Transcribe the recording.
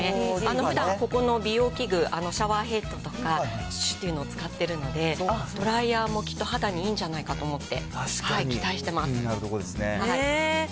ふだん、ここの美容器具、シャワーヘッドとかを使っているので、ドライヤーもきっと肌にいいんじゃないかと思って。